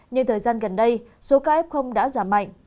nhưng thời gian gần đây số ca f đã giảm mạnh